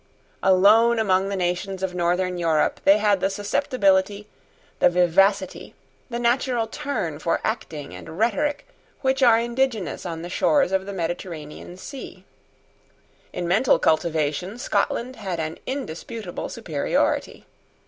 Alone among the nations of northern Europe they had the susceptibility, the vivacity, the natural turn for acting and rhetoric, which are indigenous on the shores of the Mediterranean Sea. In mental cultivation Scotland had an indisputable superiority.